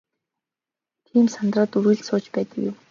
Тийм сандалд үргэлж сууж байдаг юм.